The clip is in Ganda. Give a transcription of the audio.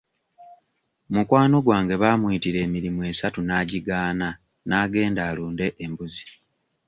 Mukwano gwange baamuyitira emirimu esatu n'agigaana n'agenda alunde embuzi.